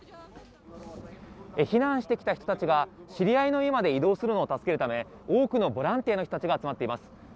避難してきた人たちが知り合いの家まで移動するのを助けるため、多くのボランティアたちが集まっています。